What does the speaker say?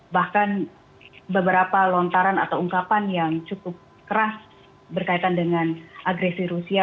bahkan beberapa lontaran atau ungkapan yang cukup keras berkaitan dengan agresi rusia